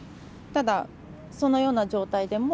ただ、そのような状態でも、